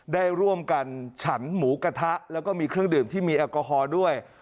ได้ร่วมกันฉันหมูกระทะแล้วก็มีเครื่องดื่มที่มีแอลกอฮอล์ด้วย